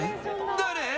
誰？